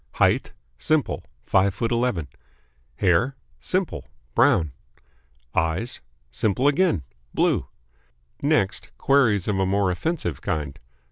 "Height?" Simple. Five foot eleven. "Hair?" Simple. Brown. "Eyes?" Simple again. Blue. Next, queries of a more offensive kind.